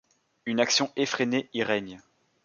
Une action effrénée y règne.